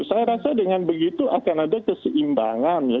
saya rasa dengan begitu akan ada keseimbangan ya